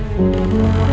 harus datang dulu